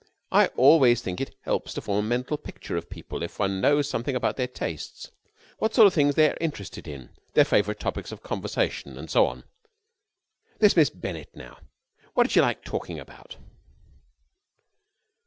I always think it helps one to form a mental picture of people if one knows something about their tastes what sort of things they are interested in, their favourite topics of conversation, and so on. This Miss Bennett now, what did she like talking about?"